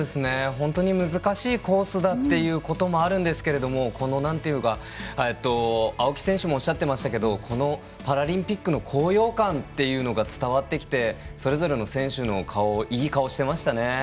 本当に難しいコースだというのもあるんですけど青木選手もおっしゃってましたけどパラリンピックの高揚感というのが伝わってきてそれぞれの選手の顔いい顔してましたね。